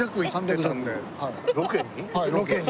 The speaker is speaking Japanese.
ロケに？